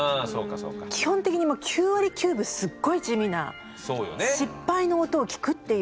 基本的に９割９分すっごい地味な失敗の音を聴くっていう動作だから。